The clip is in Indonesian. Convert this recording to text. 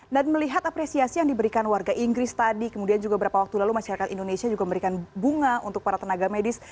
dan melihat apresiasi yang diberikan warga inggris tadi kemudian juga beberapa waktu lalu masyarakat indonesia juga memberikan bunga untuk para tenaga medis